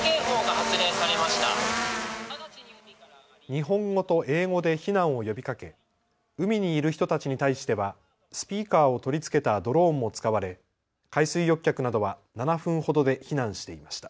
日本語と英語で避難を呼びかけ海にいる人たちに対してはスピーカーを取り付けたドローンも使われ海水浴客などは７分ほどで避難していました。